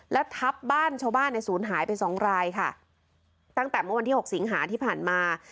และทับบ้านชาวบ้านในศูนย์หายไปสองรายค่ะตั้งแต่เมื่อวันที่หกสิงหาที่ผ่านมา